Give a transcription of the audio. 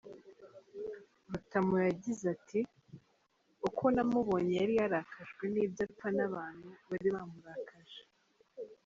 Rutamu yagize ati :"Uko namubonye yari yarakajwe n’ibyo apfa n’abantu bari bamurakaje.